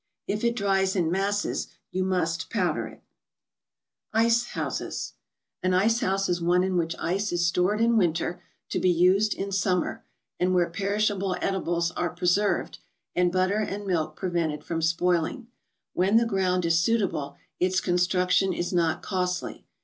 If it dries in masses, you must powder it. An ice house is one in which ice is stored in Winter, to be used in Summer; and where perishable edibles are preserved, and butter and milk prevented from spoiling. When the ground is suitable, its construction is not costly.